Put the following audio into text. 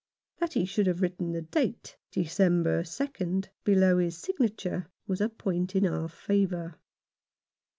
That he should have written the date, December 2nd, below his signature was a point in our favour.